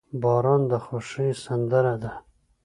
• باران د خوښۍ سندره ده.